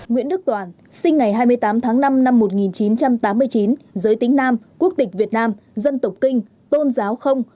nguyễn đức toàn sinh ngày hai mươi tám tháng năm năm một nghìn chín trăm tám mươi chín giới tính nam quốc tịch việt nam dân tộc kinh tôn giáo không